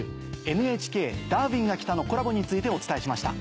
ＮＨＫ『ダーウィンが来た！』のコラボについてお伝えしました。